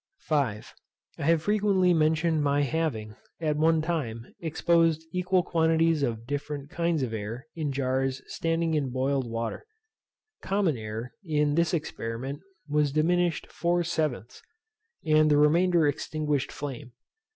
5. I have frequently mentioned my having, at one time, exposed equal quantities of different kinds of air in jars standing in boiled water. Common air in this experiment was diminished four sevenths, and the remainder extinguished flame.